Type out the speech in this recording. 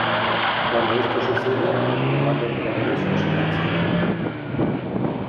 Cuando esto sucede, el comando en progreso se cancela.